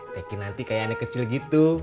teki nanti kayak aneh kecil gitu